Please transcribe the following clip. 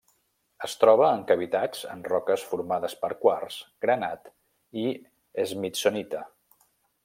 Es troba en cavitats en roques formades per quars, granat i smithsonita.